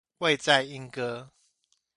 位在鶯歌